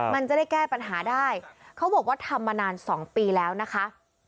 มันจะได้แก้ปัญหาได้เขาบอกว่าทำมานาน๒ปีแล้วนะคะ